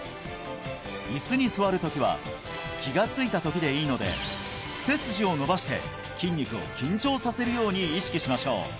椅子に座る時は気がついた時でいいので背筋を伸ばして筋肉を緊張させるように意識しましょう